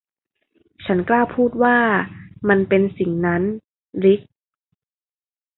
ฉันกล้าพูดว่ามันเป็นสิ่งนั้น ริค